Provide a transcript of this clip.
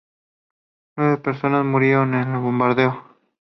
Nueve personas murieron en el bombardeo.